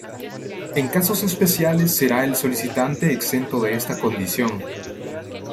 En casos especiales será el solicitante exento de esta condición.